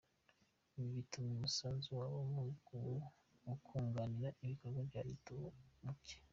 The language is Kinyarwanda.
Ibi bituma umusanzu wabo mu kunganira ibikorwa na leta uba muke.